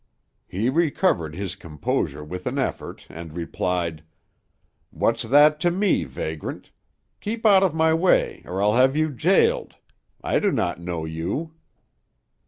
"He recovered his composure with an effort, and replied, "'What's that to me, vagrant? Keep out of my way, or I'll have you jailed. I do not know you.'